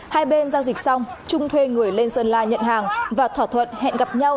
hai bên giao dịch xong trung thuê người lên sơn la nhận hàng và thỏa thuận hẹn gặp nhau